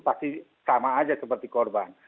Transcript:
pasti sama aja seperti korban